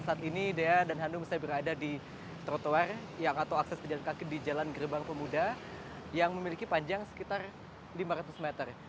saat ini dea dan hanum saya berada di trotoar atau akses pejalan kaki di jalan gerbang pemuda yang memiliki panjang sekitar lima ratus meter